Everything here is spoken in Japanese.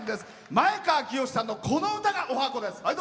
前川清さんのこの歌が、おはこです。